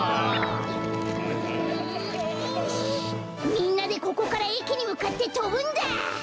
みんなでここからえきにむかってとぶんだ！